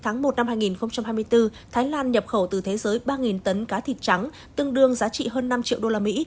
ngày một hai nghìn hai mươi bốn thái lan nhập khẩu từ thế giới ba tấn cá thịt trắng tương đương giá trị hơn năm triệu đô la mỹ